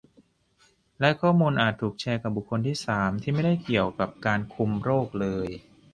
และข้อมูลอาจถูกแชร์กับบุคคลที่สามที่ไม่ได้เกี่ยวกับการคุมโรคเลย